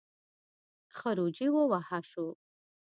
خروجی ووهه شو.